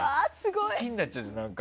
好きになっちゃう、何か。